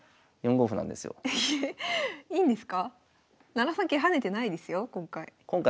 ７三桂跳ねてないですよ今回。